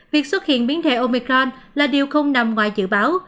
việc xuất hiện biến thể omicron là điều không nằm ngoài dự báo